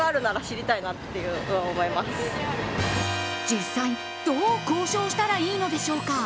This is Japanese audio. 実際どう交渉したらいいのでしょうか？